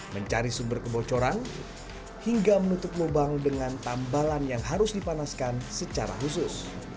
mencari sumber kebocoran hingga menutup lubang dengan tambalan yang harus dipanaskan secara khusus